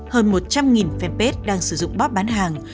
hơn một trăm linh fanpage đang sử dụng bóp bán hàng